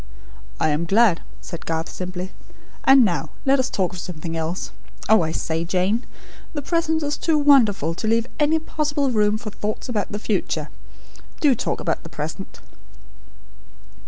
'" "I am glad," said Garth, simply. "And now, let's talk of something else. Oh, I say, Jane! The present is too wonderful, to leave any possible room for thoughts about the future. Do talk about the present."